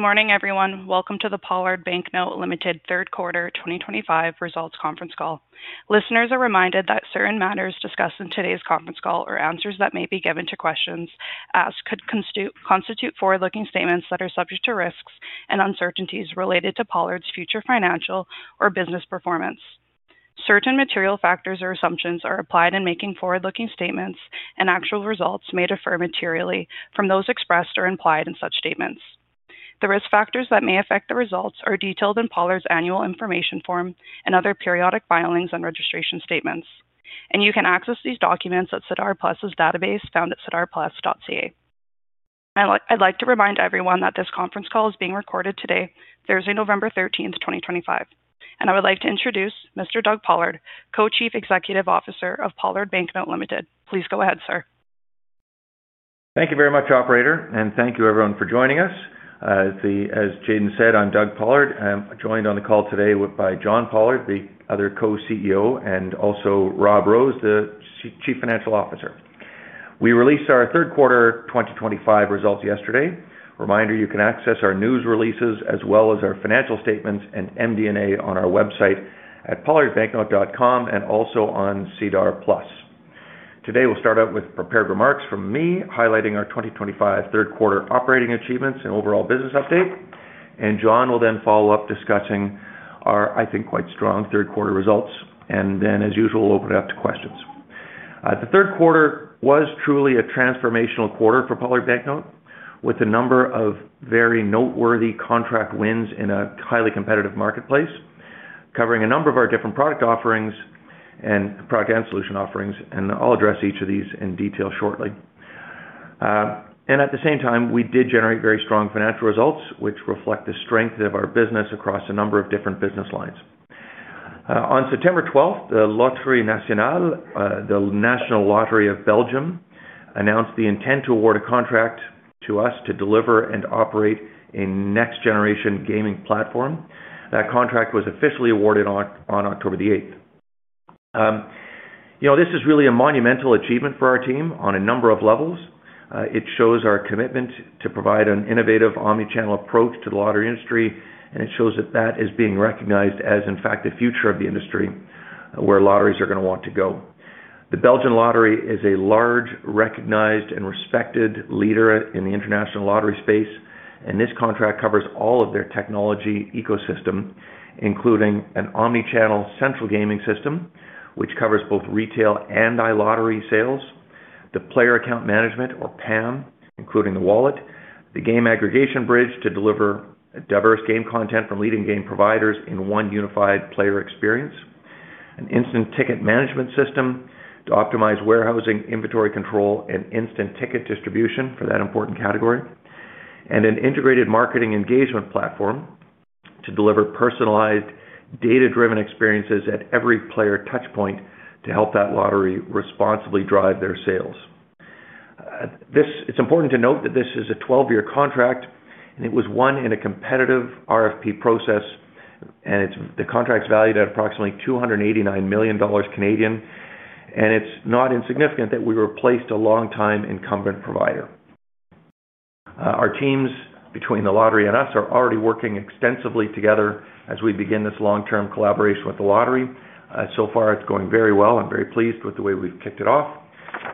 Good morning, everyone. Welcome to the Pollard Banknote Limited, third quarter 2025 results conference call. Listeners are reminded that certain matters discussed in today's conference call or answers that may be given to questions asked could constitute forward-looking statements that are subject to risks and uncertainties related to Pollard's future financial or business performance. Certain material factors or assumptions are applied in making forward-looking statements, and actual results may differ materially from those expressed or implied in such statements. The risk factors that may affect the results are detailed in Pollard's Annual Information Form and other periodic filings and registration statements. You can access these documents at SEDAR + database found at sedarplus.ca. I would like to remind everyone that this conference call is being recorded today, Thursday, November 13, 2025. I would like to introduce Mr. Doug Pollard, Co-Chief Executive Officer of Pollard Banknote Limited. Please go ahead, sir. Thank you very much, Operator. Thank you, everyone, for joining us. As Jaden said, I'm Doug Pollard. I'm joined on the call today by John Pollard, the other Co-CEO, and also Rob Rose, the Chief Financial Officer. We released our third quarter 2025 results yesterday. Reminder, you can access our news releases as well as our financial statements and MD&A on our website at pollardbanknote.com and also on SEDAR +. Today, we'll start out with prepared remarks from me, highlighting our 2025 third quarter operating achievements and overall business update. John will then follow-up discussing our, I think, quite strong third quarter results. As usual, we'll open it up to questions. The third quarter was truly a transformational quarter for Pollard Banknote, with a number of very noteworthy contract wins in a highly competitive marketplace, covering a number of our different product offerings and product and solution offerings. I'll address each of these in detail shortly. At the same time, we did generate very strong financial results, which reflect the strength of our business across a number of different business lines. On September 12, the Loterie Nationale, the National Lottery of Belgium, announced the intent to award a contract to us to deliver and operate a next-generation gaming platform. That contract was officially awarded on October 8. You know, this is really a monumental achievement for our team on a number of levels. It shows our commitment to provide an innovative omnichannel approach to the lottery industry, and it shows that that is being recognized as, in fact, the future of the industry, where lotteries are going to want to go. The Belgian Lottery is a large, recognized, and respected leader in the international lottery space, and this contract covers all of their technology ecosystem, including an omnichannel central gaming system, which covers both retail and iLottery sales, the player account management, or PAM, including the wallet, the game aggregation bridge to deliver diverse game content from leading game providers in one unified player experience, an instant ticket management system to optimize warehousing, inventory control, and instant ticket distribution for that important category, and an integrated marketing engagement platform to deliver personalized, data-driven experiences at every player touchpoint to help that lottery responsibly drive their sales. It's important to note that this is a 12-year contract, and it was won in a competitive RFP process, and the contract's valued at approximately 289 million Canadian dollars. It is not insignificant that we replaced a long-time incumbent provider. Our teams between the lottery and us are already working extensively together as we begin this long-term collaboration with the lottery. So far, it's going very well. I'm very pleased with the way we've kicked it off.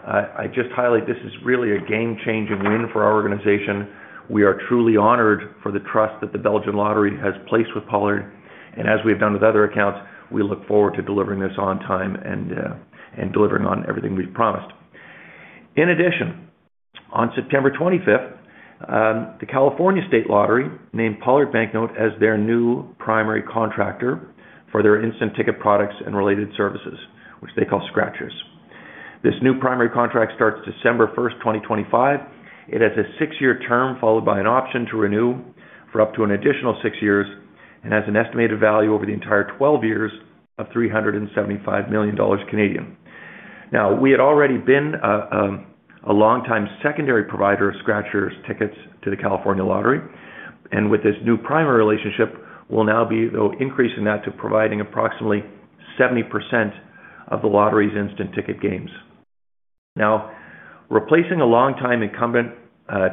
I just highlight this is really a game-changing win for our organization. We are truly honored for the trust that the Belgian Lottery has placed with Pollard. As we have done with other accounts, we look forward to delivering this on time and delivering on everything we've promised. In addition, on September 25, the California State Lottery named Pollard Banknote as their new primary contractor for their instant ticket products and related services, which they call Scratchers. This new primary contract starts December 1, 2025. It has a six-year term followed by an option to renew for up to an additional six years and has an estimated value over the entire 12 years of 375 million Canadian dollars. Now, we had already been a long-time secondary provider of Scratchers tickets to the California Lottery, and with this new primary relationship, we'll now be increasing that to providing approximately 70% of the lottery's instant ticket games. Now, replacing a long-time incumbent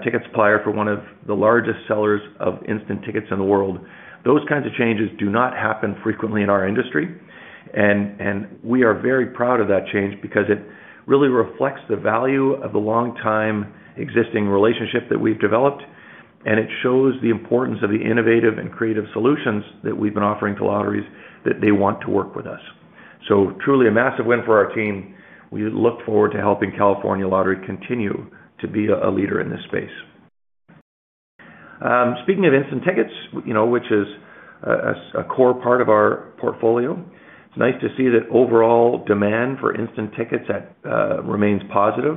ticket supplier for one of the largest sellers of instant tickets in the world, those kinds of changes do not happen frequently in our industry. We are very proud of that change because it really reflects the value of the long-time existing relationship that we've developed, and it shows the importance of the innovative and creative solutions that we've been offering to lotteries that they want to work with us. Truly a massive win for our team. We look forward to helping California Lottery continue to be a leader in this space. Speaking of instant tickets, you know, which is a core part of our portfolio, it's nice to see that overall demand for instant tickets remains positive.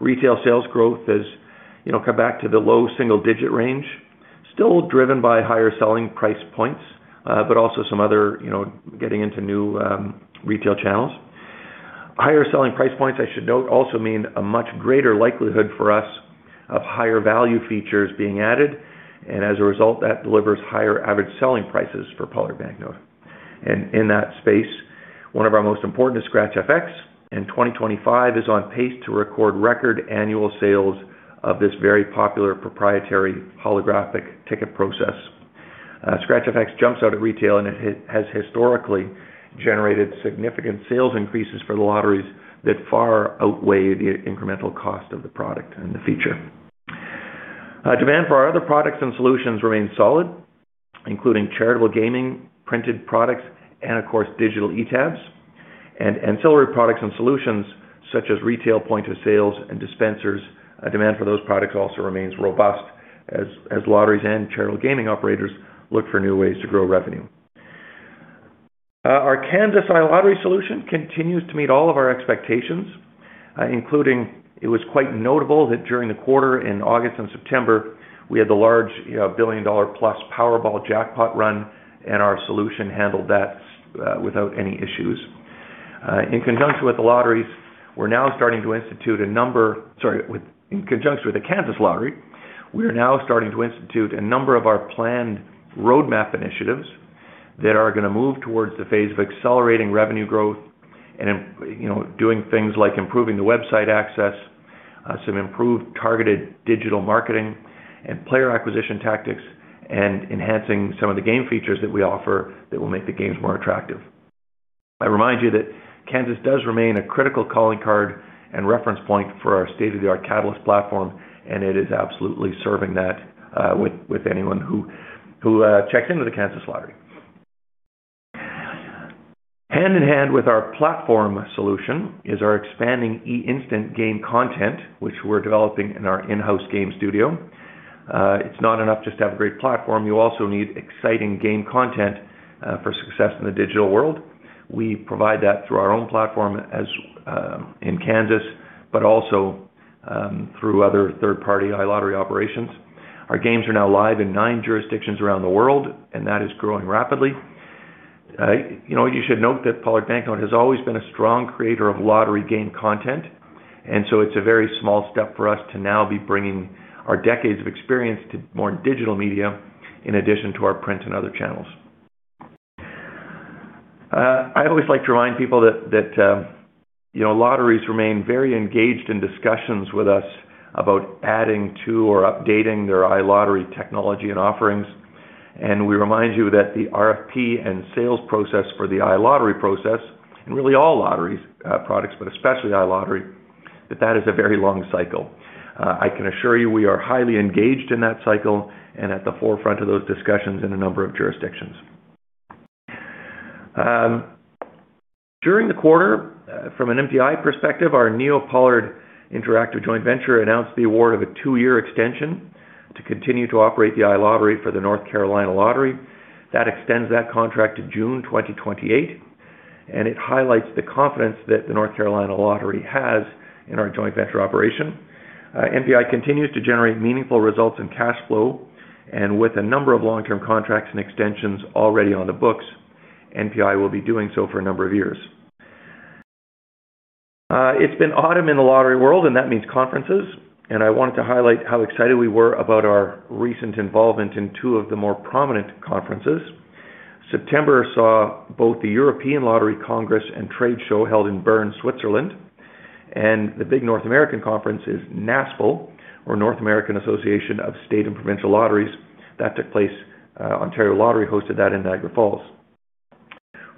Retail sales growth has come back to the low single-digit range, still driven by higher selling price points, but also some other getting into new retail channels. Higher selling price points, I should note, also mean a much greater likelihood for us of higher value features being added. As a result, that delivers higher average selling prices for Pollard Banknote. In that space, one of our most important is Scratch FX, and 2025 is on pace to record record annual sales of this very popular proprietary holographic ticket process. Scratch FX jumps out at retail, and it has historically generated significant sales increases for the lotteries that far outweigh the incremental cost of the product in the future. Demand for our other products and solutions remains solid, including charitable gaming, printed products, and, of course, digital e-tabs. Ancillary products and solutions such as retail point-of-sales and dispensers, demand for those products also remains robust as lotteries and charitable gaming operators look for new ways to grow revenue. Our Kansas iLottery solution continues to meet all of our expectations, including it was quite notable that during the quarter in August and September, we had the large billion-dollar-plus Powerball jackpot run, and our solution handled that without any issues. In conjunction with the lotteries, we're now starting to institute a number, sorry, in conjunction with the Kansas Lottery, we are now starting to institute a number of our planned roadmap initiatives that are going to move towards the phase of accelerating revenue growth and doing things like improving the website access, some improved targeted digital marketing and player acquisition tactics, and enhancing some of the game features that we offer that will make the games more attractive. I remind you that Kansas does remain a critical calling card and reference point for our state-of-the-art Catalyst Platform, and it is absolutely serving that with anyone who checks into the Kansas Lottery. Hand in hand with our platform solution is our expanding e-instant game content, which we're developing in our in-house game studio. It's not enough just to have a great platform. You also need exciting game content for success in the digital world. We provide that through our own platform in Kansas, but also through other third-party iLottery operations. Our games are now live in nine jurisdictions around the world, and that is growing rapidly. You should note that Pollard Banknote has always been a strong creator of lottery game content, and so it's a very small step for us to now be bringing our decades of experience to more digital media in addition to our print and other channels. I always like to remind people that lotteries remain very engaged in discussions with us about adding to or updating their iLottery technology and offerings. We remind you that the RFP and sales process for the iLottery process, and really all lottery products, but especially iLottery, that that is a very long cycle. I can assure you we are highly engaged in that cycle and at the forefront of those discussions in a number of jurisdictions. During the quarter, from an MDI perspective, our NeoPollard Interactive joint venture announced the award of a two-year extension to continue to operate the iLottery for the North Carolina Lottery. That extends that contract to June 2028, and it highlights the confidence that the North Carolina Lottery has in our joint venture operation. NPI continues to generate meaningful results in cash flow, and with a number of long-term contracts and extensions already on the books, NPI will be doing so for a number of years. It's been autumn in the lottery world, and that means conferences. I wanted to highlight how excited we were about our recent involvement in two of the more prominent conferences. September saw both the European Lottery Congress and Trade Show held in Bern, Switzerland, and the big North American conference is NASPL, or North American Association of State and Provincial Lotteries. That took place Ontario Lottery hosted that in Niagara Falls.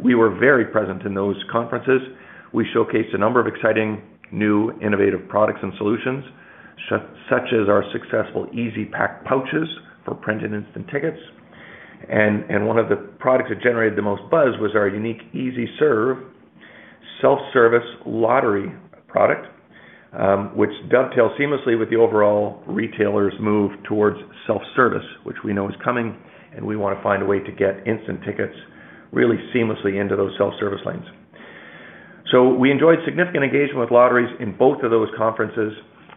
We were very present in those conferences. We showcased a number of exciting new innovative products and solutions, such as our successful Easy Pack Pouches for print and instant tickets. One of the products that generated the most buzz was our unique Easy Serve self-service lottery product, which dovetails seamlessly with the overall retailer's move towards self-service, which we know is coming, and we want to find a way to get instant tickets really seamlessly into those self-service lanes. We enjoyed significant engagement with lotteries in both of those conferences.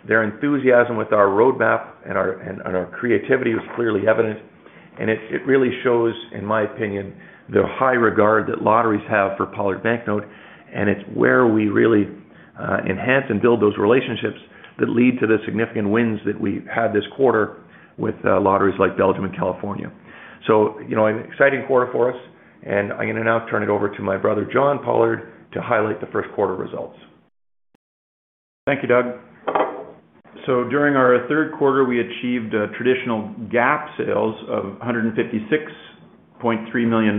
Their enthusiasm with our roadmap and our creativity was clearly evident, and it really shows, in my opinion, the high regard that lotteries have for Pollard Banknote. It's where we really enhance and build those relationships that lead to the significant wins that we had this quarter with lotteries like Belgium and California. You know, an exciting quarter for us, and I'm going to now turn it over to my brother John Pollard to highlight the first quarter results. Thank you, Doug. During our third quarter, we achieved traditional GAAP sales of $156.3 million.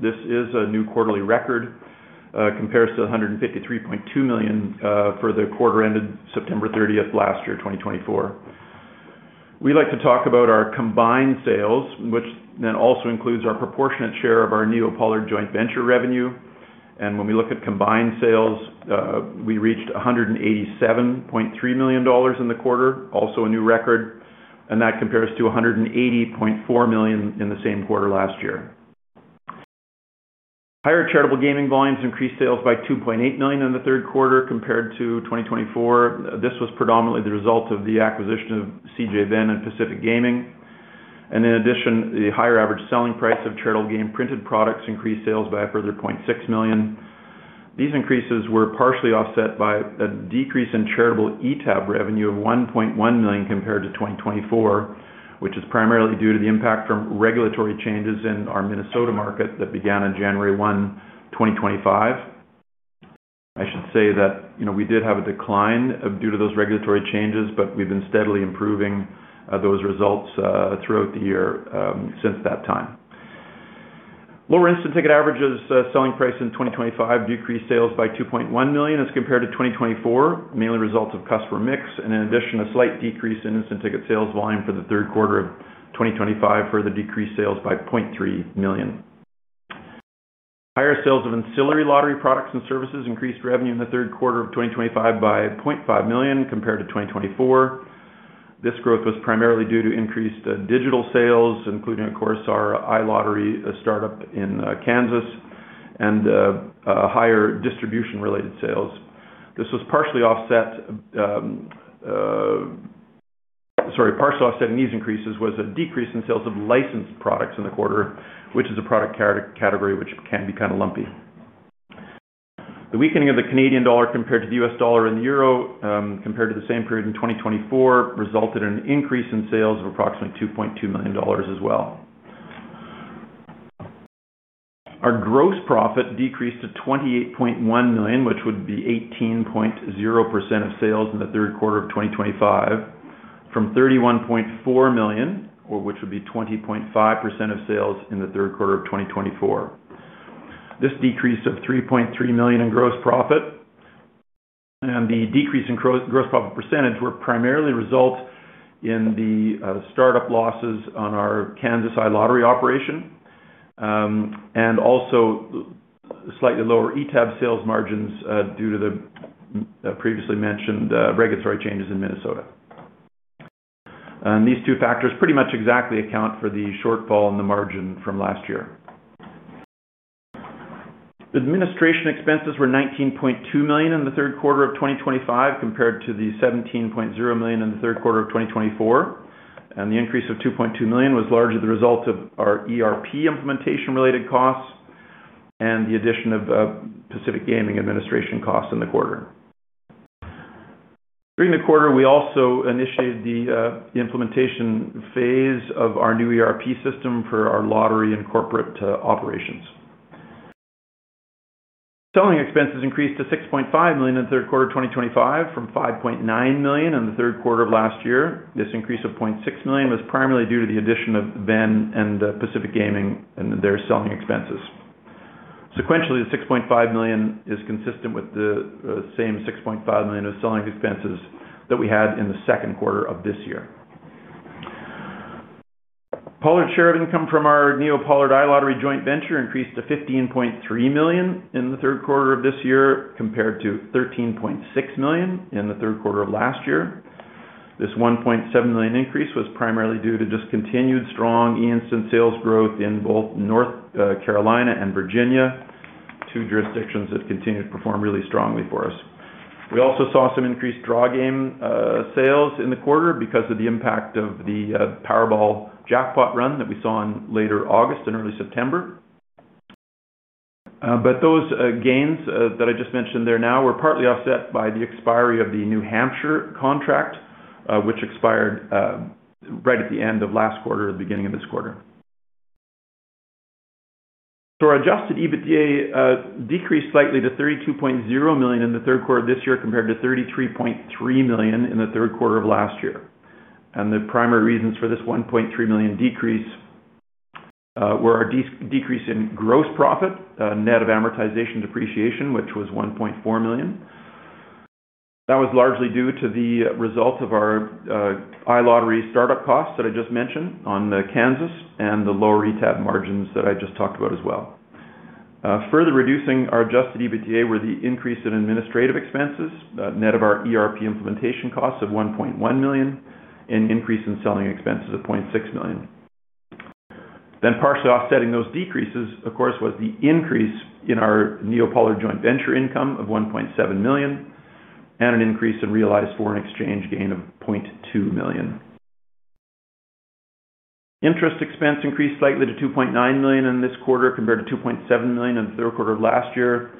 This is a new quarterly record compared to $153.2 million for the quarter ended September 30, last year, 2024. We'd like to talk about our combined sales, which then also includes our proportionate share of our NeoPollard Interactive joint venture revenue. When we look at combined sales, we reached $187.3 million in the quarter, also a new record, and that compares to $180.4 million in the same quarter last year. Higher charitable gaming volumes increased sales by $2.8 million in the third quarter compared to 2024. This was predominantly the result of the acquisition of CJ Venn and Pacific Gaming. In addition, the higher average selling price of charitable game printed products increased sales by a further $0.6 million. These increases were partially offset by a decrease in charitable e-tab revenue of $1.1 million compared to 2024, which is primarily due to the impact from regulatory changes in our Minnesota market that began on January 1, 2025. I should say that, you know, we did have a decline due to those regulatory changes, but we've been steadily improving those results throughout the year since that time. Lower instant ticket average selling price in 2025 decreased sales by $2.1 million as compared to 2024, mainly results of customer mix, and in addition, a slight decrease in instant ticket sales volume for the third quarter of 2025 further decreased sales by $0.3 million. Higher sales of ancillary lottery products and services increased revenue in the third quarter of 2025 by $0.5 million compared to 2024. This growth was primarily due to increased digital sales, including, of course, our iLottery startup in Kansas and higher distribution-related sales. This was partially offset, sorry, partial offset in these increases was a decrease in sales of licensed products in the quarter, which is a product category which can be kind of lumpy. The weakening of the Canadian dollar compared to the US dollar and the euro compared to the same period in 2024 resulted in an increase in sales of approximately $2.2 million as well. Our gross profit decreased to $28.1 million, which would be 18.0% of sales in the third quarter of 2025, from $31.4 million, which would be 20.5% of sales in the third quarter of 2024. This decreased to $3.3 million in gross profit. The decrease in gross profit percentage primarily resulted in the startup losses on our Kansas iLottery operation and also slightly lower e-tab sales margins due to the previously mentioned regulatory changes in Minnesota. These two factors pretty much exactly account for the shortfall in the margin from last year. Administration expenses were $19.2 million in the third quarter of 2025 compared to the $17.0 million in the third quarter of 2024. The increase of $2.2 million was largely the result of our ERP implementation-related costs and the addition of Pacific Gaming administration costs in the quarter. During the quarter, we also initiated the implementation phase of our new ERP system for our lottery and corporate operations. Selling expenses increased to $6.5 million in the third quarter of 2025 from $5.9 million in the third quarter of last year. This increase of $0.6 million was primarily due to the addition of Venn and Pacific Gaming and their selling expenses. Sequentially, the $6.5 million is consistent with the same $6.5 million of selling expenses that we had in the second quarter of this year. Pollard share of income from our NeoPollard Interactive iLottery joint venture increased to $15.3 million in the third quarter of this year compared to $13.6 million in the third quarter of last year. This $1.7 million increase was primarily due to just continued strong e-instant sales growth in both North Carolina and Virginia, two jurisdictions that continue to perform really strongly for us. We also saw some increased draw game sales in the quarter because of the impact of the Powerball jackpot run that we saw in later August and early September. Those gains that I just mentioned there now were partly offset by the expiry of the New Hampshire contract, which expired right at the end of last quarter at the beginning of this quarter. Our adjusted EBITDA decreased slightly to $32.0 million in the third quarter of this year compared to $33.3 million in the third quarter of last year. The primary reasons for this $1.3 million decrease were our decrease in gross profit, net of amortization depreciation, which was $1.4 million. That was largely due to the result of our iLottery startup costs that I just mentioned on Kansas and the lower e-tab margins that I just talked about as well. Further reducing our adjusted EBITDA were the increase in administrative expenses, net of our ERP implementation costs of $1.1 million, and increase in selling expenses of $0.6 million. Partially offsetting those decreases, of course, was the increase in our Neo Pollard Interactive joint venture income of $1.7 million and an increase in realized foreign exchange gain of $0.2 million. Interest expense increased slightly to $2.9 million in this quarter compared to $2.7 million in the third quarter of last year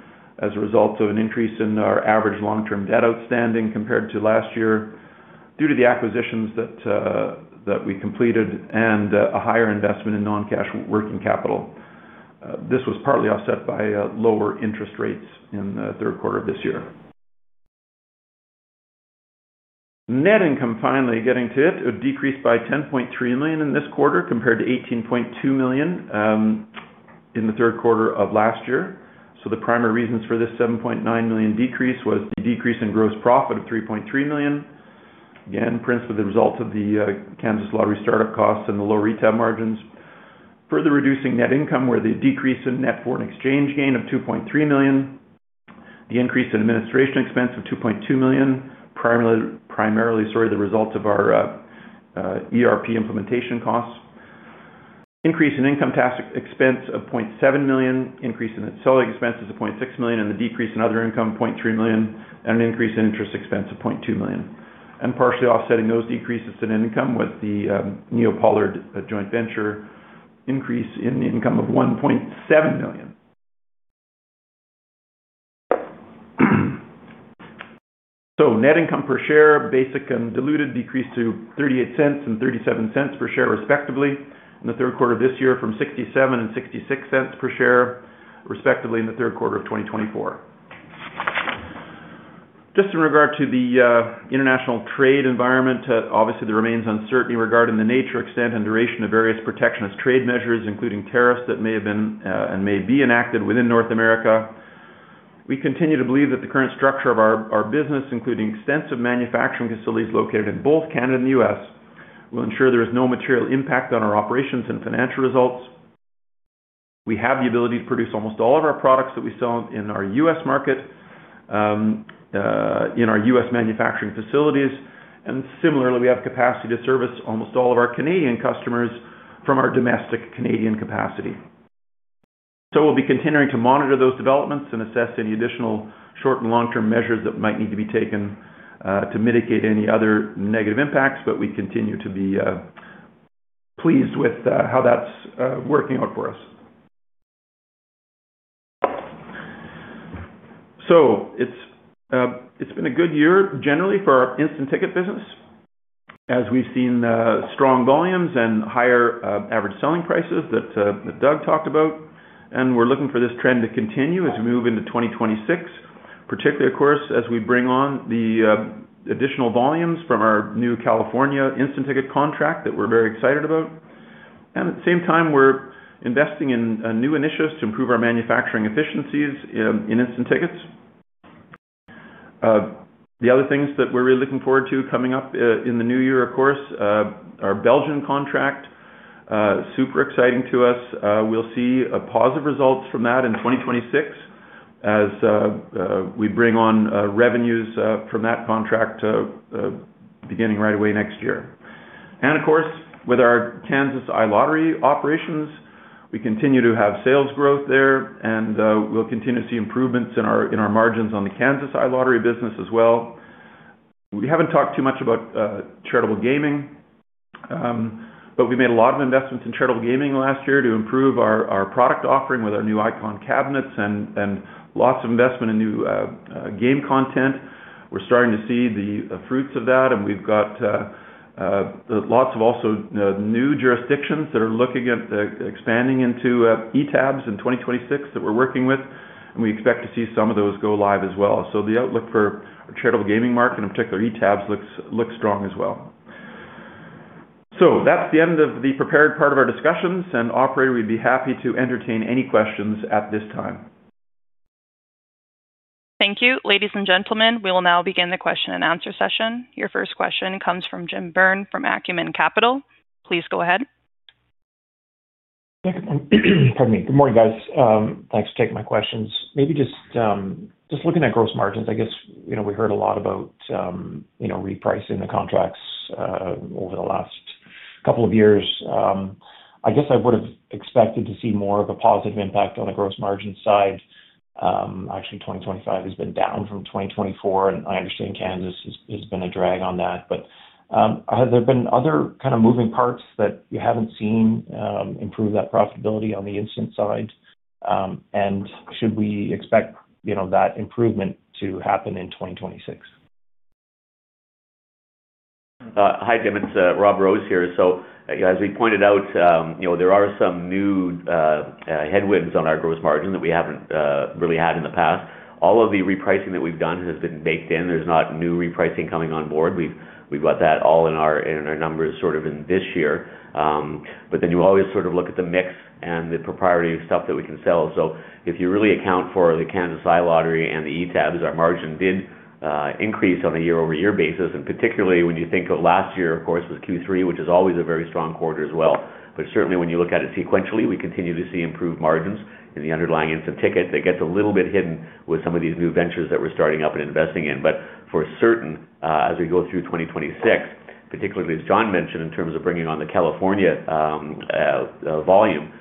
as a result of an increase in our average long-term debt outstanding compared to last year due to the acquisitions that we completed and a higher investment in non-cash working capital. This was partly offset by lower interest rates in the third quarter of this year. Net income, finally, getting to it, decreased by $10.3 million in this quarter compared to $18.2 million in the third quarter of last year. The primary reasons for this $7.9 million decrease was the decrease in gross profit of $3.3 million, again, principally the result of the Kansas Lottery startup costs and the lower e-tab margins. Further reducing net income were the decrease in net foreign exchange gain of $2.3 million, the increase in administration expense of $2.2 million, primarily the result of our ERP implementation costs, increase in income tax expense of $0.7 million, increase in selling expenses of $0.6 million, the decrease in other income of $0.3 million, and an increase in interest expense of $0.2 million. Partially offsetting those decreases in income was the Neo Pollard Interactive joint venture increase in income of $1.7 million. Net income per share, basic and diluted, decreased to $0.38 and $0.37 per share respectively in the third quarter of this year from $0.67 and $0.66 per share respectively in the third quarter of 2024. In regard to the international trade environment, obviously there remains uncertainty regarding the nature, extent, and duration of various protectionist trade measures, including tariffs that may have been and may be enacted within North America. We continue to believe that the current structure of our business, including extensive manufacturing facilities located in both Canada and the U.S., will ensure there is no material impact on our operations and financial results. We have the ability to produce almost all of our products that we sell in our U.S. market, in our U.S. manufacturing facilities, and similarly, we have capacity to service almost all of our Canadian customers from our domestic Canadian capacity. We will be continuing to monitor those developments and assess any additional short and long-term measures that might need to be taken to mitigate any other negative impacts, but we continue to be pleased with how that's working out for us. It has been a good year generally for our instant ticket business, as we've seen strong volumes and higher average selling prices that Doug talked about. We are looking for this trend to continue as we move into 2026, particularly, of course, as we bring on the additional volumes from our new California instant ticket contract that we're very excited about. At the same time, we're investing in new initiatives to improve our manufacturing efficiencies in instant tickets. The other things that we're really looking forward to coming up in the new year, of course, are Belgian contract, super exciting to us. We'll see a positive result from that in 2026 as we bring on revenues from that contract beginning right away next year. Of course, with our Kansas iLottery operations, we continue to have sales growth there, and we'll continue to see improvements in our margins on the Kansas iLottery business as well. We haven't talked too much about charitable gaming, but we made a lot of investments in charitable gaming last year to improve our product offering with our new Icon Cabinets and lots of investment in new game content. We're starting to see the fruits of that, and we've got lots of also new jurisdictions that are looking at expanding into e-tabs in 2026 that we're working with, and we expect to see some of those go live as well. The outlook for our charitable gaming market, in particular e-tabs, looks strong as well. That's the end of the prepared part of our discussions, and operator, we'd be happy to entertain any questions at this time. Thank you. Ladies and gentlemen, we will now begin the question and answer session. Your first question comes from Jim Byrne from Acumen Capital. Please go ahead. Pardon me. Good morning, guys. Thanks for taking my questions. Maybe just looking at gross margins, I guess we heard a lot about repricing the contracts over the last couple of years. I guess I would have expected to see more of a positive impact on the gross margin side. Actually, 2025 has been down from 2024, and I understand Kansas has been a drag on that. Have there been other kind of moving parts that you have not seen improve that profitability on the instant side? Should we expect that improvement to happen in 2026? Hi, Tim. It's Rob Rose here. As we pointed out, there are some new headwinds on our gross margin that we have not really had in the past. All of the repricing that we have done has been baked in. There is not new repricing coming on board. We have got that all in our numbers sort of in this year. You always sort of look at the mix and the propriety of stuff that we can sell. If you really account for the Kansas iLottery and the e-tabs, our margin did increase on a year-over-year basis. Particularly when you think of last year, of course, was Q3, which is always a very strong quarter as well. Certainly when you look at it sequentially, we continue to see improved margins in the underlying instant ticket. It gets a little bit hidden with some of these new ventures that we're starting up and investing in. For certain, as we go through 2026, particularly as John mentioned in terms of bringing on the California volume,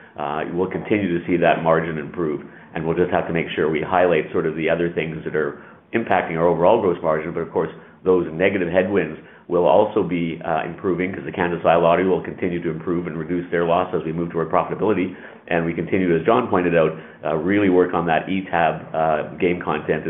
we'll continue to see that margin improve. We'll just have to make sure we highlight sort of the other things that are impacting our overall gross margin. Of course, those negative headwinds will also be improving because the Kansas iLottery will continue to improve and reduce their loss as we move toward profitability. We continue, as John pointed out, to really work on that e-tab game content.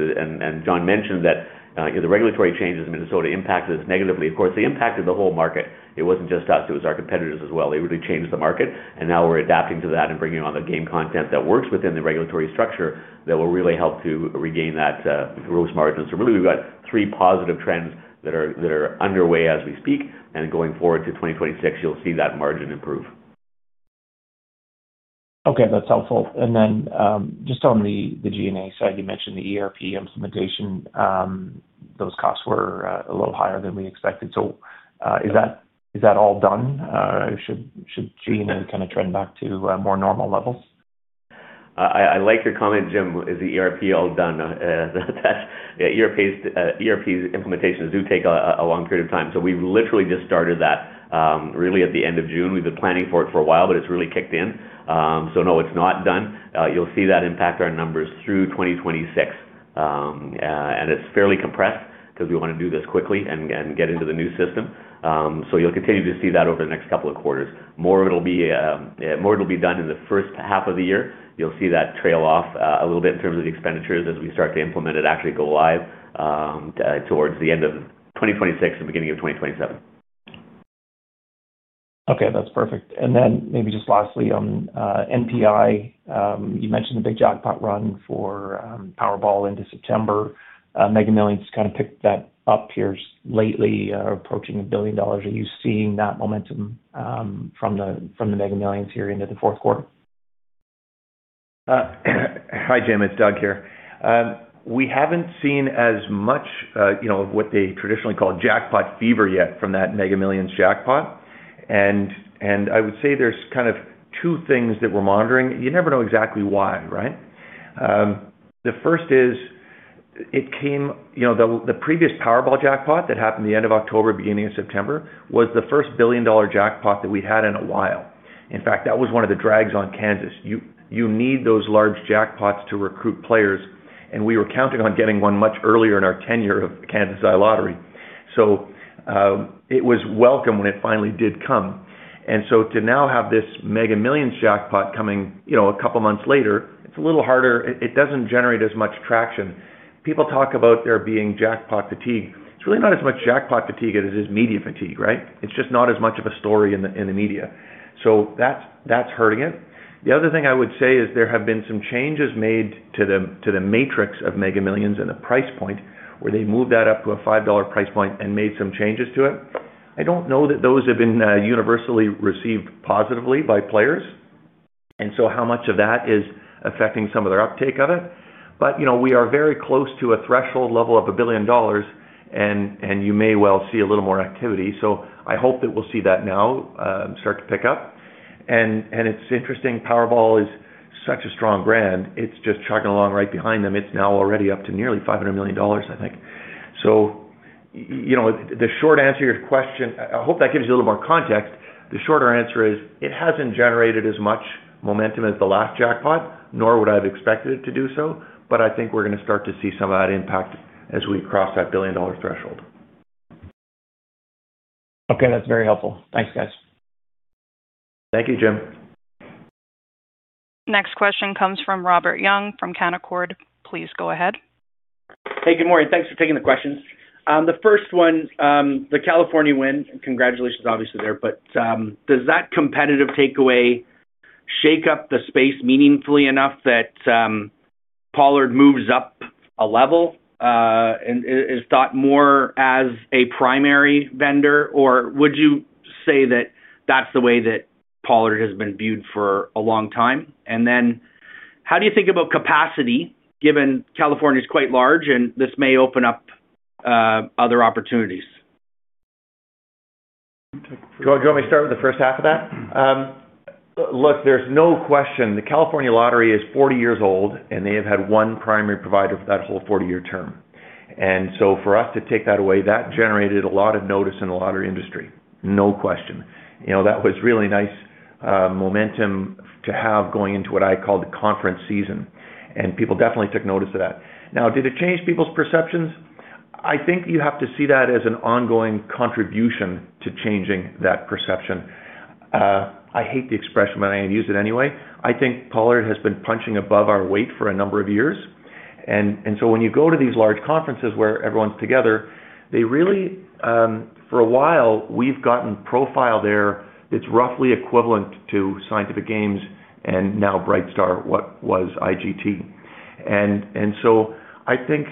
John mentioned that the regulatory changes in Minnesota impacted us negatively. Of course, they impacted the whole market. It wasn't just us. It was our competitors as well. They really changed the market. We are adapting to that and bringing on the game content that works within the regulatory structure that will really help to regain that gross margin. Really, we have three positive trends that are underway as we speak. Going forward to 2026, you will see that margin improve. Okay. That's helpful. Then just on the G&A side, you mentioned the ERP implementation. Those costs were a little higher than we expected. Is that all done? Should G&A kind of trend back to more normal levels? I like your comment, Jim. Is the ERP all done? ERP implementations do take a long period of time. We have literally just started that really at the end of June. We have been planning for it for a while, but it has really kicked in. No, it is not done. You will see that impact our numbers through 2026. It is fairly compressed because we want to do this quickly and get into the new system. You will continue to see that over the next couple of quarters. More of it will be done in the first half of the year. You will see that trail off a little bit in terms of the expenditures as we start to implement it and actually go live towards the end of 2026 and beginning of 2027. Okay. That's perfect. And then maybe just lastly on NPI, you mentioned the big jackpot run for Powerball into September. Mega Millions kind of picked that up here lately, approaching a billion dollars. Are you seeing that momentum from the Mega Millions here into the fourth quarter? Hi, Jim. It's Doug here. We haven't seen as much of what they traditionally call jackpot fever yet from that Mega Millions jackpot. I would say there's kind of two things that we're monitoring. You never know exactly why, right? The first is it came, the previous Powerball jackpot that happened at the end of October, beginning of September, was the first billion-dollar jackpot that we'd had in a while. In fact, that was one of the drags on Kansas. You need those large jackpots to recruit players. We were counting on getting one much earlier in our tenure of Kansas iLottery. It was welcome when it finally did come. To now have this Mega Millions jackpot coming a couple of months later, it's a little harder. It doesn't generate as much traction. People talk about there being jackpot fatigue. It's really not as much jackpot fatigue as it is media fatigue, right? It's just not as much of a story in the media. That is hurting it. The other thing I would say is there have been some changes made to the matrix of Mega Millions and the price point where they moved that up to a $5 price point and made some changes to it. I don't know that those have been universally received positively by players. How much of that is affecting some of their uptake of it? We are very close to a threshold level of $1 billion, and you may well see a little more activity. I hope that we'll see that now start to pick up. It's interesting. Powerball is such a strong brand. It's just chugging along right behind them. It's now already up to nearly $500 million, I think. The short answer to your question, I hope that gives you a little more context. The shorter answer is it hasn't generated as much momentum as the last jackpot, nor would I have expected it to do so. I think we're going to start to see some of that impact as we cross that billion-dollar threshold. Okay. That's very helpful. Thanks, guys. Thank you, Jim. Next question comes from Robert Young from Canaccord. Please go ahead. Hey, good morning. Thanks for taking the questions. The first one, the California win, congratulations obviously there, but does that competitive takeaway shake up the space meaningfully enough that Pollard moves up a level and is thought more as a primary vendor? Or would you say that that's the way that Pollard has been viewed for a long time? How do you think about capacity given California is quite large and this may open up other opportunities? Do you want me to start with the first half of that? Look, there's no question. The California Lottery is 40 years old, and they have had one primary provider for that whole 40-year term. For us to take that away, that generated a lot of notice in the lottery industry, no question. That was really nice momentum to have going into what I called the conference season. People definitely took notice of that. Now, did it change people's perceptions? I think you have to see that as an ongoing contribution to changing that perception. I hate the expression, but I did use it anyway. I think Pollard has been punching above our weight for a number of years. When you go to these large conferences where everyone's together, they really, for a while, we've gotten profile there that's roughly equivalent to Scientific Games and now BrightStar, what was IGT. I think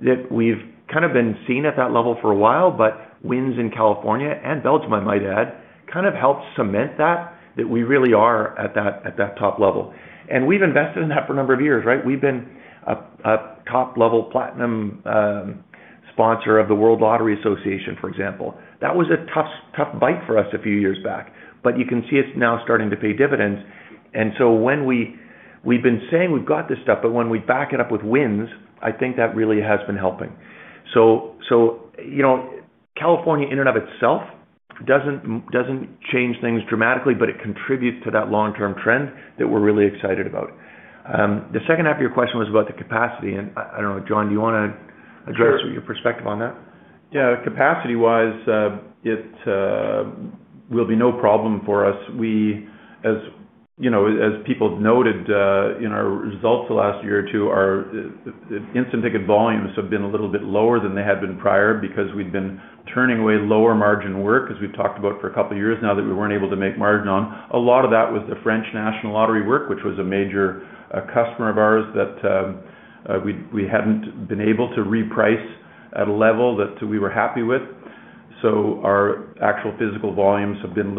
that we've kind of been seen at that level for a while, but wins in California and Belgium, I might add, kind of helped cement that, that we really are at that top level. We've invested in that for a number of years, right? We've been a top-level platinum sponsor of the World Lottery Association, for example. That was a tough bite for us a few years back. You can see it's now starting to pay dividends. When we've been saying we've got this stuff, but when we back it up with wins, I think that really has been helping. California in and of itself does not change things dramatically, but it contributes to that long-term trend that we are really excited about. The second half of your question was about the capacity. I do not know, John, do you want to address your perspective on that? Yeah. Capacity-wise, it will be no problem for us. As people noted in our results the last year or two, our instant ticket volumes have been a little bit lower than they had been prior because we'd been turning away lower margin work as we've talked about for a couple of years now that we weren't able to make margin on. A lot of that was the French National Lottery work, which was a major customer of ours that we hadn't been able to reprice at a level that we were happy with. So our actual physical volumes have been a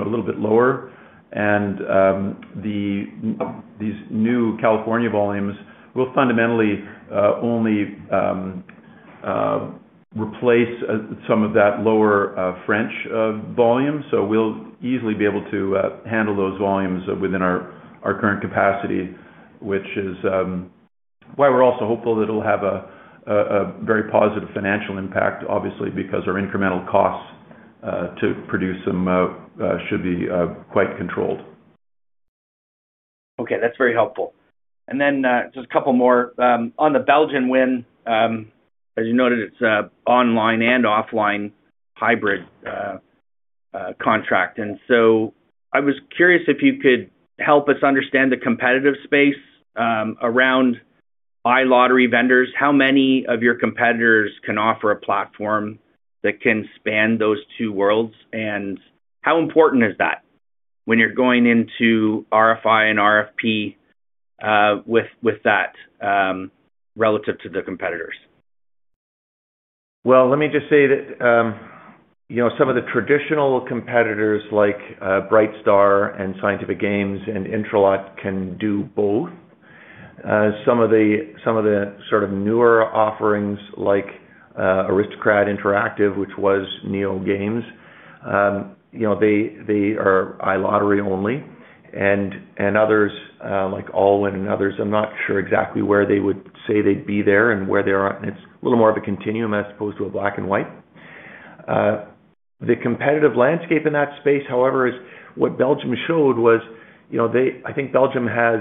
little bit lower. These new California volumes will fundamentally only replace some of that lower French volume. We will easily be able to handle those volumes within our current capacity, which is why we are also hopeful that it will have a very positive financial impact, obviously, because our incremental costs to produce them should be quite controlled. Okay. That's very helpful. Just a couple more on the Belgian win. As you noted, it's an online and offline hybrid contract. I was curious if you could help us understand the competitive space around iLottery vendors. How many of your competitors can offer a platform that can span those two worlds? How important is that when you're going into RFI and RFP with that relative to the competitors? Let me just say that some of the traditional competitors like BrightStar and Scientific Games and Interlock can do both. Some of the sort of newer offerings like Aristocrat Interactive, which was Neo Games, they are iLottery only. Others like Allwyn and others, I'm not sure exactly where they would say they'd be there and where they are. It's a little more of a continuum as opposed to a black and white. The competitive landscape in that space, however, is what Belgium showed was I think Belgium has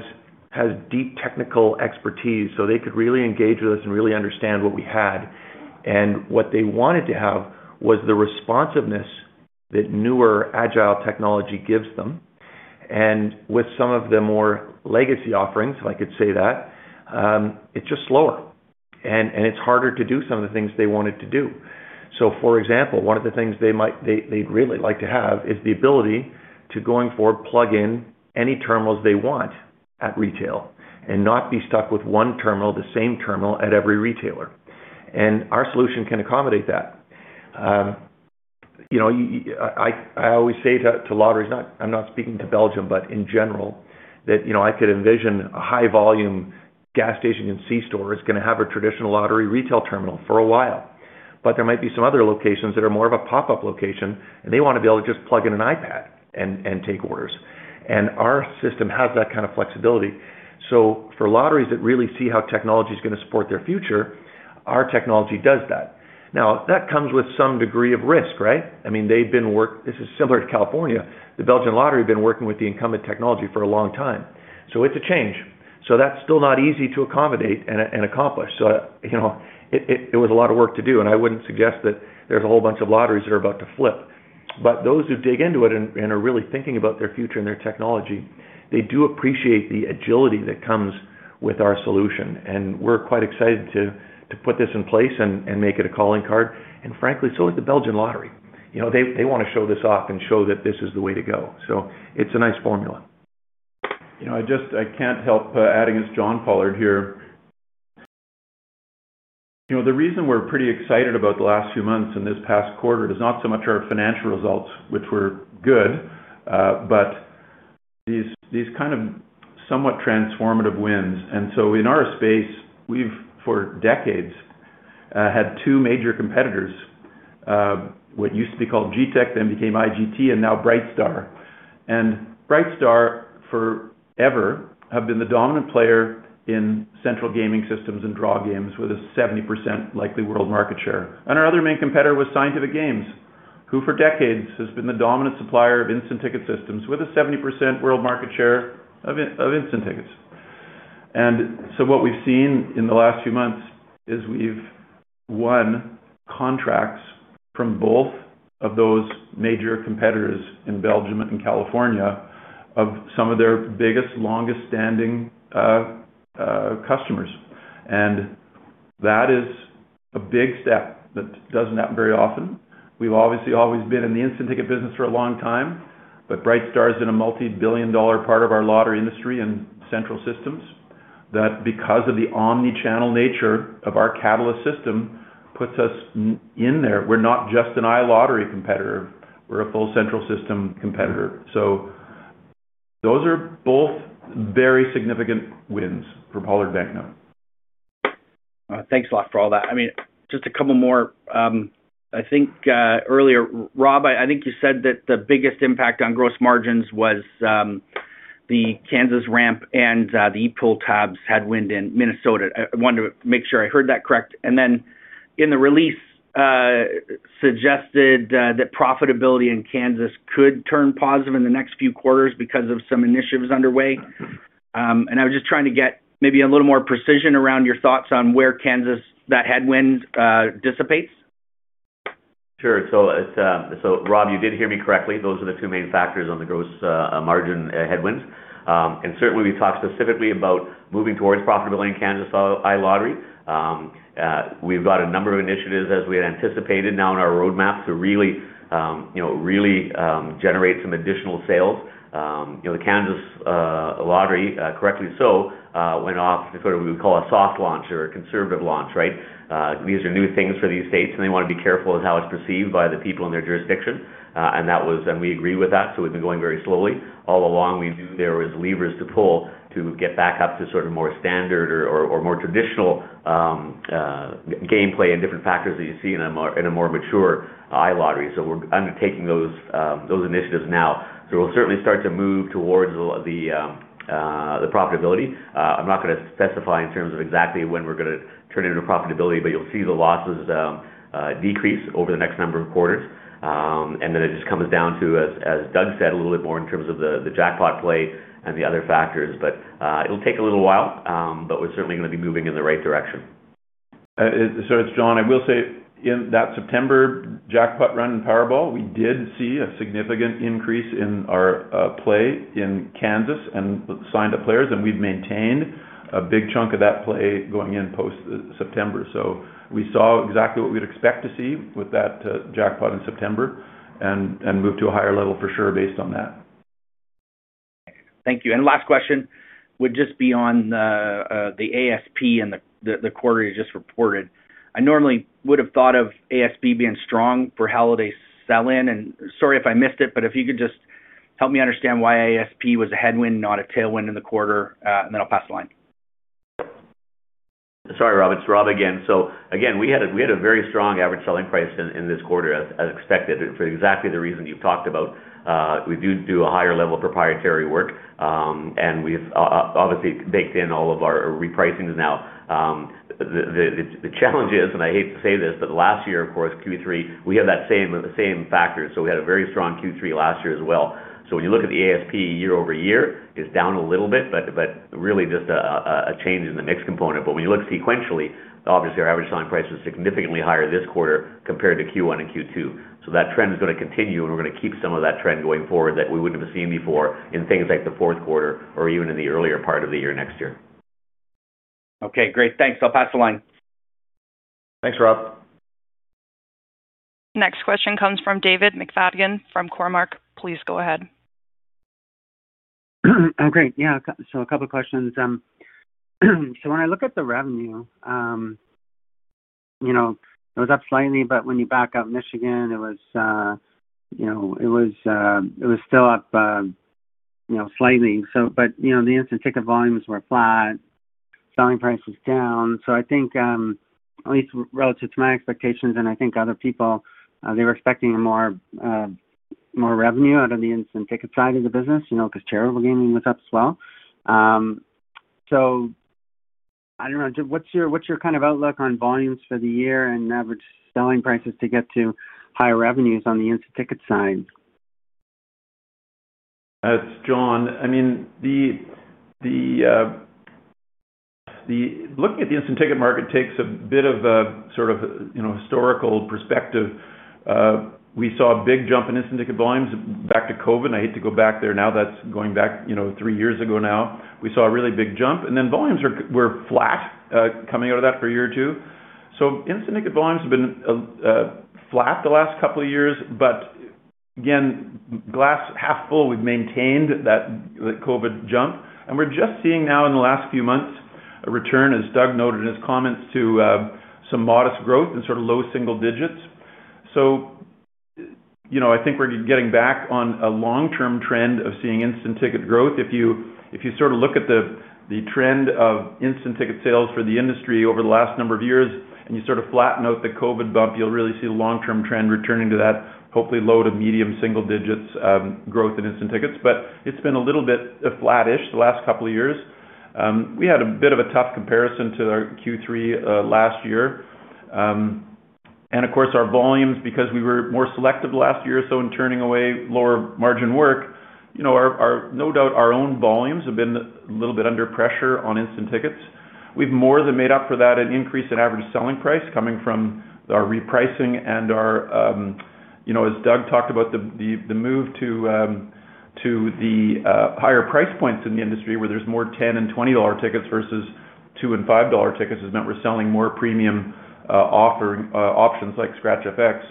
deep technical expertise. They could really engage with us and really understand what we had. What they wanted to have was the responsiveness that newer agile technology gives them. With some of the more legacy offerings, if I could say that, it's just slower. It is harder to do some of the things they wanted to do. For example, one of the things they'd really like to have is the ability to, going forward, plug in any terminals they want at retail and not be stuck with one terminal, the same terminal at every retailer. Our solution can accommodate that. I always say to lotteries, I am not speaking to Belgium, but in general, that I could envision a high-volume gas station and C-store is going to have a traditional lottery retail terminal for a while. There might be some other locations that are more of a pop-up location, and they want to be able to just plug in an iPad and take orders. Our system has that kind of flexibility. For lotteries that really see how technology is going to support their future, our technology does that. Now, that comes with some degree of risk, right? I mean, they've been working, this is similar to California. The Belgian lottery has been working with the incumbent technology for a long time. It is a change. That is still not easy to accommodate and accomplish. It was a lot of work to do. I would not suggest that there is a whole bunch of lotteries that are about to flip. Those who dig into it and are really thinking about their future and their technology, they do appreciate the agility that comes with our solution. We are quite excited to put this in place and make it a calling card. Frankly, so is the Belgian lottery. They want to show this off and show that this is the way to go. It is a nice formula. I cannot help adding as John Pollard here. The reason we're pretty excited about the last few months and this past quarter is not so much our financial results, which were good, but these kind of somewhat transformative wins. In our space, we've for decades had two major competitors, what used to be called GTEC, then became IGT, and now BrightStar. BrightStar forever have been the dominant player in central gaming systems and draw games with a 70% likely world market share. Our other main competitor was Scientific Games, who for decades has been the dominant supplier of instant ticket systems with a 70% world market share of instant tickets. What we've seen in the last few months is we've won contracts from both of those major competitors in Belgium and California of some of their biggest, longest-standing customers. That is a big step that doesn't happen very often. We've obviously always been in the instant ticket business for a long time, but BrightStar is in a multi-billion dollar part of our lottery industry and central systems that because of the omnichannel nature of our Catalyst system puts us in there. We're not just an iLottery competitor. We're a full central system competitor. Those are both very significant wins for Pollard Banknote. Thanks a lot for all that. I mean, just a couple more. I think earlier, Rob, I think you said that the biggest impact on gross margins was the Kansas ramp and the e-tabs had wind in Minnesota. I wanted to make sure I heard that correct. In the release, it suggested that profitability in Kansas could turn positive in the next few quarters because of some initiatives underway. I was just trying to get maybe a little more precision around your thoughts on where Kansas, that headwind dissipates. Sure. Rob, you did hear me correctly. Those are the two main factors on the gross margin headwinds. Certainly, we talked specifically about moving towards profitability in Kansas iLottery. We've got a number of initiatives, as we had anticipated, now in our roadmap to really generate some additional sales. The Kansas Lottery, correctly so, went off to sort of what we would call a soft launch or a conservative launch, right? These are new things for these states, and they want to be careful of how it's perceived by the people in their jurisdiction. We agree with that. We've been going very slowly. All along, we knew there were levers to pull to get back up to sort of more standard or more traditional gameplay and different factors that you see in a more mature iLottery. We're undertaking those initiatives now. We will certainly start to move towards the profitability. I'm not going to specify in terms of exactly when we're going to turn into profitability, but you'll see the losses decrease over the next number of quarters. It just comes down to, as Doug said, a little bit more in terms of the jackpot play and the other factors. It will take a little while, but we're certainly going to be moving in the right direction. It's John. I will say in that September jackpot run in Powerball, we did see a significant increase in our play in Kansas and signed-up players, and we've maintained a big chunk of that play going in post-September. We saw exactly what we'd expect to see with that jackpot in September and moved to a higher level for sure based on that. Thank you. Last question would just be on the ASP and the quarter you just reported. I normally would have thought of ASP being strong for holiday sell-in. Sorry if I missed it, but if you could just help me understand why ASP was a headwind, not a tailwind in the quarter, and then I'll pass the line. Sorry, Rob. It's Rob again. Again, we had a very strong average selling price in this quarter, as expected, for exactly the reason you've talked about. We do do a higher level of proprietary work, and we've obviously baked in all of our repricings now. The challenge is, and I hate to say this, last year, of course, Q3, we had that same factor. We had a very strong Q3 last year as well. When you look at the ASP year-over-year, it's down a little bit, but really just a change in the mix component. When you look sequentially, obviously, our average selling price was significantly higher this quarter compared to Q1 and Q2. That trend is going to continue, and we're going to keep some of that trend going forward that we wouldn't have seen before in things like the fourth quarter or even in the earlier part of the year next year. Okay. Great. Thanks. I'll pass the line. Thanks, Rob. Next question comes from David McFadden from Cormark. Please go ahead. Okay. Yeah. So a couple of questions. When I look at the revenue, it was up slightly, but when you back out Michigan, it was still up slightly. The instant ticket volumes were flat. Selling prices down. I think, at least relative to my expectations and I think other people, they were expecting more revenue out of the instant ticket side of the business because charitable gaming was up as well. I don't know. What's your kind of outlook on volumes for the year and average selling prices to get to higher revenues on the instant ticket side? That's John. I mean, looking at the instant ticket market takes a bit of a sort of historical perspective. We saw a big jump in instant ticket volumes back to COVID. I hate to go back there. Now that's going back three years ago now. We saw a really big jump. Then volumes were flat coming out of that for a year or two. Instant ticket volumes have been flat the last couple of years. Again, glass half full, we've maintained that COVID jump. We're just seeing now in the last few months a return, as Doug noted in his comments, to some modest growth and sort of low single digits. I think we're getting back on a long-term trend of seeing instant ticket growth. If you sort of look at the trend of instant ticket sales for the industry over the last number of years and you sort of flatten out the COVID bump, you'll really see a long-term trend returning to that hopefully low to medium single digits growth in instant tickets. It has been a little bit flat-ish the last couple of years. We had a bit of a tough comparison to our Q3 last year. Of course, our volumes, because we were more selective last year or so in turning away lower margin work, no doubt our own volumes have been a little bit under pressure on instant tickets. We've more than made up for that in increase in average selling price coming from our repricing and our, as Doug talked about, the move to the higher price points in the industry where there's more $10 and $20 tickets versus $2 and $5 tickets has meant we're selling more premium offering options like Scratch FX.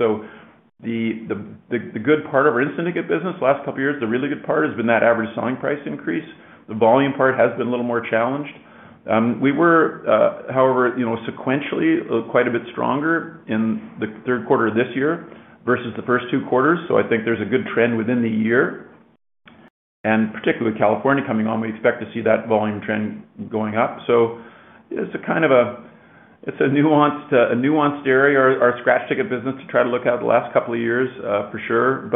The good part of our instant ticket business last couple of years, the really good part has been that average selling price increase. The volume part has been a little more challenged. We were, however, sequentially quite a bit stronger in the third quarter of this year versus the first two quarters. I think there's a good trend within the year. Particularly with California coming on, we expect to see that volume trend going up. It's a kind of a nuanced area of our scratch ticket business to try to look at the last couple of years for sure.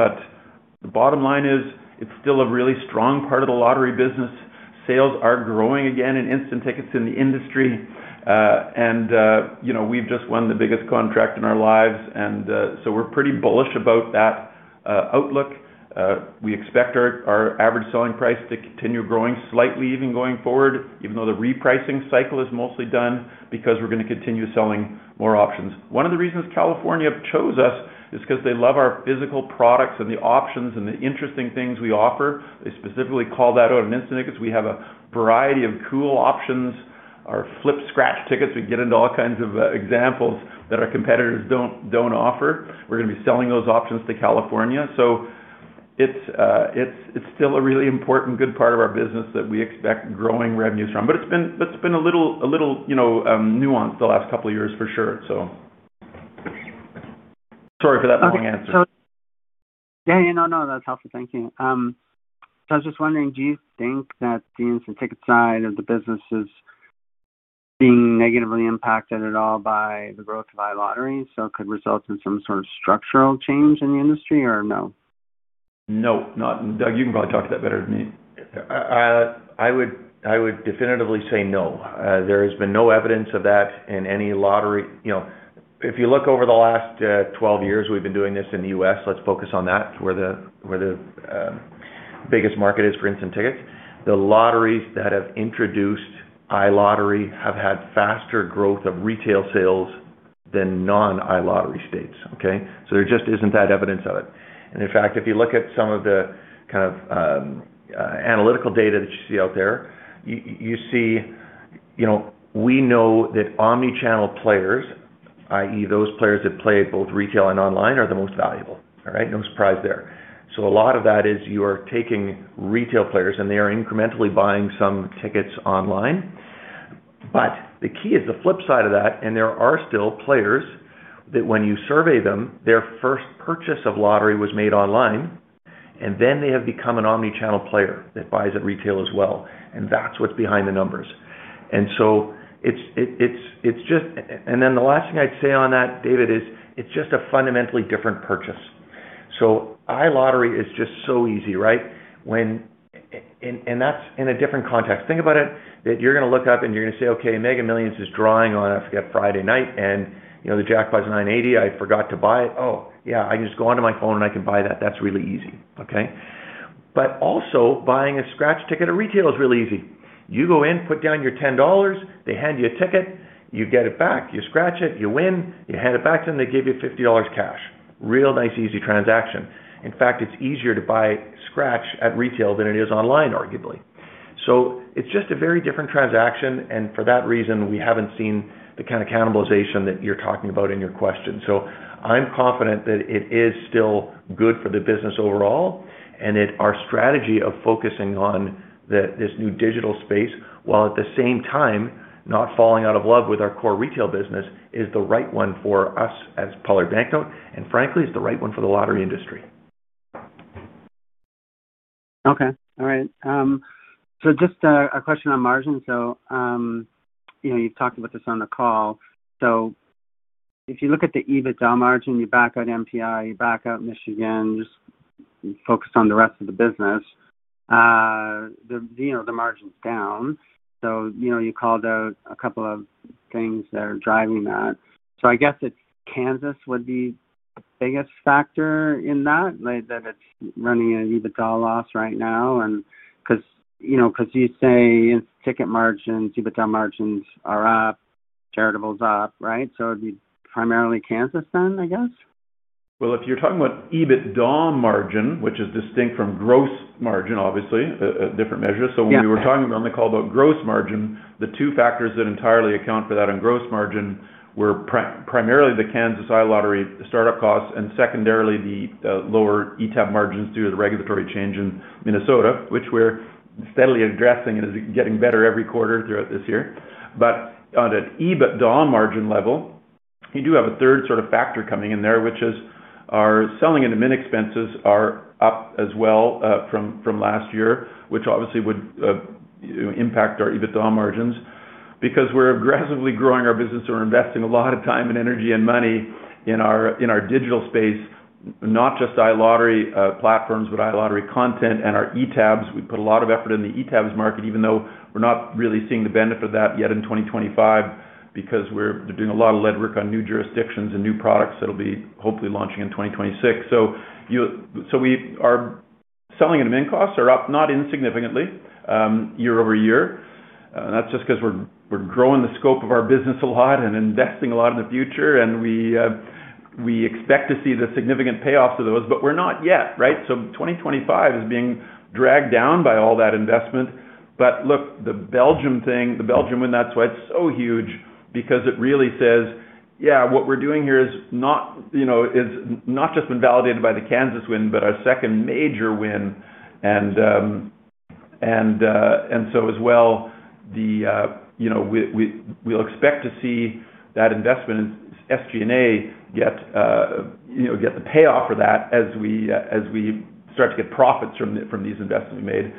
The bottom line is it's still a really strong part of the lottery business. Sales are growing again in instant tickets in the industry. We've just won the biggest contract in our lives. We're pretty bullish about that outlook. We expect our average selling price to continue growing slightly even going forward, even though the repricing cycle is mostly done because we're going to continue selling more options. One of the reasons California chose us is because they love our physical products and the options and the interesting things we offer. They specifically call that out in instant tickets. We have a variety of cool options, our flip scratch tickets. We get into all kinds of examples that our competitors do not offer. We are going to be selling those options to California. It is still a really important good part of our business that we expect growing revenues from. It has been a little nuanced the last couple of years for sure. Sorry for that long answer. Yeah. No, that's helpful. Thank you. I was just wondering, do you think that the instant ticket side of the business is being negatively impacted at all by the growth of iLottery? It could result in some sort of structural change in the industry or no? No. Doug, you can probably talk to that better than me. I would definitively say no. There has been no evidence of that in any lottery. If you look over the last 12 years, we've been doing this in the U.S. Let's focus on that, where the biggest market is for instant tickets. The lotteries that have introduced iLottery have had faster growth of retail sales than non-iLottery states, okay? There just isn't that evidence of it. In fact, if you look at some of the kind of analytical data that you see out there, you see we know that omnichannel players, i.e., those players that play both retail and online, are the most valuable, all right? No surprise there. A lot of that is you are taking retail players, and they are incrementally buying some tickets online. The key is the flip side of that. There are still players that when you survey them, their first purchase of lottery was made online, and then they have become an omnichannel player that buys at retail as well. That is what is behind the numbers. The last thing I would say on that, David, is it is just a fundamentally different purchase. iLottery is just so easy, right? That is in a different context. Think about it, that you are going to look up and you are going to say, "Okay. Mega Millions is drawing on, I forget, Friday night, and the jackpot is $980 million. I forgot to buy it. Oh, yeah. I can just go onto my phone and I can buy that. That is really easy," okay? Also, buying a scratch ticket at retail is really easy. You go in, put down your $10, they hand you a ticket, you get it back, you scratch it, you win, you hand it back to them, they give you $50 cash. Real nice, easy transaction. In fact, it's easier to buy scratch at retail than it is online, arguably. It is just a very different transaction. For that reason, we haven't seen the kind of cannibalization that you're talking about in your question. I'm confident that it is still good for the business overall and our strategy of focusing on this new digital space while at the same time not falling out of love with our core retail business is the right one for us as Pollard Banknote and, frankly, is the right one for the lottery industry. Okay. All right. Just a question on margin. You talked about this on the call. If you look at the EBITDA margin, you back out NPI, you back out Michigan, just focus on the rest of the business, the margin's down. You called out a couple of things that are driving that. I guess Kansas would be the biggest factor in that, that it's running an EBITDA loss right now because you say instant ticket margins, EBITDA margins are up, charitable's up, right? It would be primarily Kansas then, I guess? If you're talking about EBITDA margin, which is distinct from gross margin, obviously, a different measure. When we were talking on the call about gross margin, the two factors that entirely account for that in gross margin were primarily the Kansas iLottery startup costs and secondarily the lower e-tab margins due to the regulatory change in Minnesota, which we're steadily addressing and is getting better every quarter throughout this year. On an EBITDA margin level, you do have a third sort of factor coming in there, which is our selling and admin expenses are up as well from last year, which obviously would impact our EBITDA margins because we're aggressively growing our business. We're investing a lot of time and energy and money in our digital space, not just iLottery platforms, but iLottery content and our e-tabs. We put a lot of effort in the e-tabs market, even though we're not really seeing the benefit of that yet in 2025 because we're doing a lot of lead work on new jurisdictions and new products that'll be hopefully launching in 2026. Our selling and admin costs are up, not insignificantly, year-over-year. That's just because we're growing the scope of our business a lot and investing a lot in the future. We expect to see the significant payoffs of those, but we're not yet, right? 2025 is being dragged down by all that investment. Look, the Belgium thing, the Belgium win, that's why it's so huge because it really says, "Yeah, what we're doing here has not just been validated by the Kansas win, but our second major win." As well, we'll expect to see that investment in SG&A get the payoff for that as we start to get profits from these investments we made.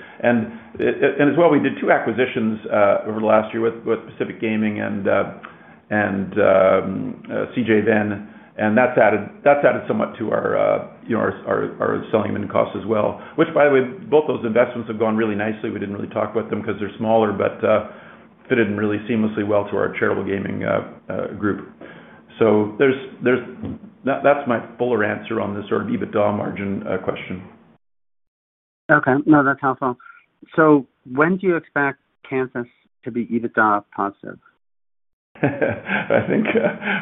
As well, we did two acquisitions over the last year with Pacific Gaming and CJ Venn. That's added somewhat to our selling and admin costs as well, which, by the way, both those investments have gone really nicely. We didn't really talk about them because they're smaller, but fitted in really seamlessly well to our charitable gaming group. That's my fuller answer on this sort of EBITDA margin question. Okay. No, that's helpful. When do you expect Kansas to be EBITDA positive? I think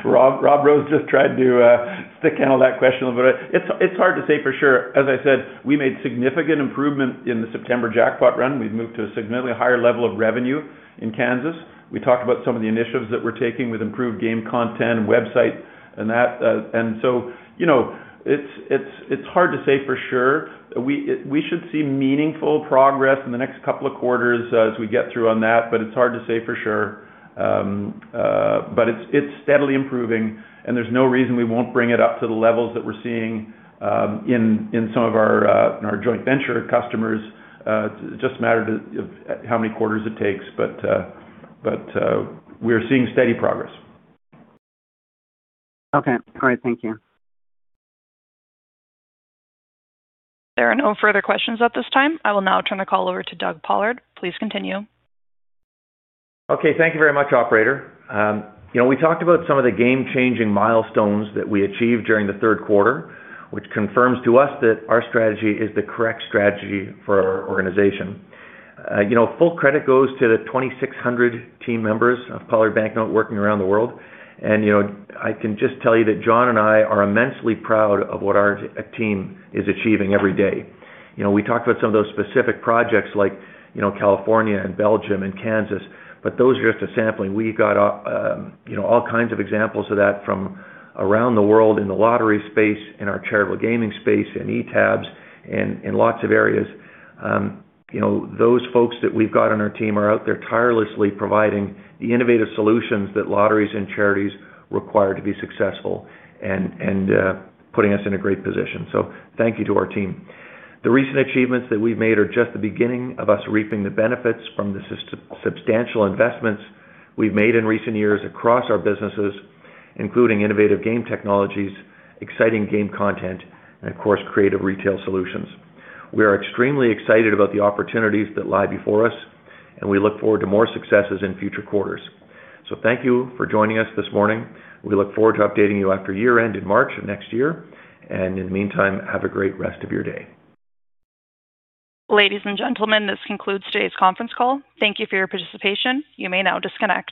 Rob Rose just tried to stickhandle that question a little bit. It's hard to say for sure. As I said, we made significant improvement in the September jackpot run. We've moved to a significantly higher level of revenue in Kansas. We talked about some of the initiatives that we're taking with improved game content, website, and that. It's hard to say for sure. We should see meaningful progress in the next couple of quarters as we get through on that, but it's hard to say for sure. It's steadily improving, and there's no reason we won't bring it up to the levels that we're seeing in some of our joint venture customers. It just mattered how many quarters it takes, but we're seeing steady progress. Okay. All right. Thank you. There are no further questions at this time. I will now turn the call over to Doug Pollard. Please continue. Okay. Thank you very much, Operator. We talked about some of the game-changing milestones that we achieved during the third quarter, which confirms to us that our strategy is the correct strategy for our organization. Full credit goes to the 2,600 team members of Pollard Banknote working around the world. I can just tell you that John and I are immensely proud of what our team is achieving every day. We talked about some of those specific projects like California and Belgium and Kansas, but those are just a sampling. We got all kinds of examples of that from around the world in the lottery space, in our charitable gaming space, in e-tabs, in lots of areas. Those folks that we've got on our team are out there tirelessly providing the innovative solutions that lotteries and charities require to be successful and putting us in a great position. Thank you to our team. The recent achievements that we've made are just the beginning of us reaping the benefits from the substantial investments we've made in recent years across our businesses, including innovative game technologies, exciting game content, and of course, creative retail solutions. We are extremely excited about the opportunities that lie before us, and we look forward to more successes in future quarters. Thank you for joining us this morning. We look forward to updating you after year-end in March of next year. In the meantime, have a great rest of your day. Ladies and gentlemen, this concludes today's conference call. Thank you for your participation. You may now disconnect.